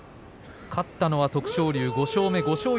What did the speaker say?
勝ったのは徳勝龍、５勝１敗。